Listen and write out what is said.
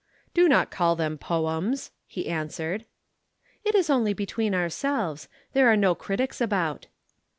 "Do not call them poems," he answered. "It is only between ourselves. There are no critics about."